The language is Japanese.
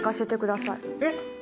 えっ！？